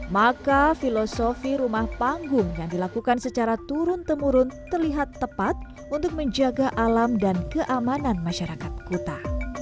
maka filosofi rumah panggung yang dilakukan secara turun temurun terlihat tepat untuk menjaga alam dan keamanan masyarakat kuta